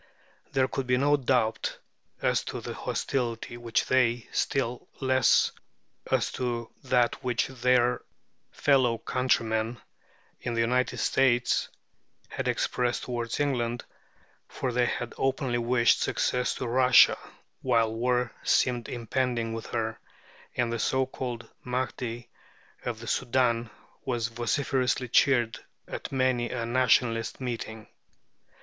There could be no doubt as to the hostility which they, still less as to that which their fellow countrymen in the United States, had expressed toward England, for they had openly wished success to Russia while war seemed impending with her, and the so called Mahdi of the Soudan was vociferously cheered at many a Nationalist meeting.